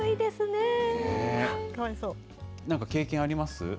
なんか経験あります？